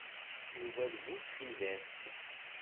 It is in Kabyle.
Yuba d bu txidas.